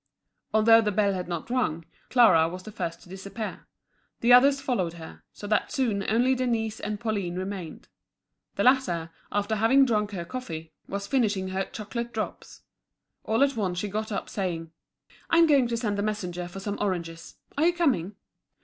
Although the bell had not rung, Clara was the first to disappear; the others followed her, so that soon only Denise and Pauline remained. The latter, after having drunk her coffee, was finishing her chocolate drops. All at once she got up, saying: "I'm going to send the messenger for some oranges. Are you coming?"